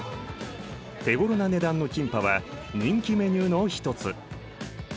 手ごろな値段のキンパは人気メニューの一つ。